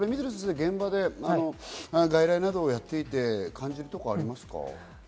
水野先生、現場で外来などをやっていて感じるところありますか？